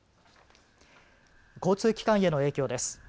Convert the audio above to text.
交通機関への影響です。